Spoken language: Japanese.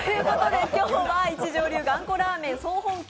今日は一条流がんこラーメン総本家